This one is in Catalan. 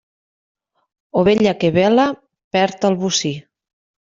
Ovella que bela, perd el bocí.